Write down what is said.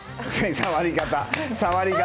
触り方！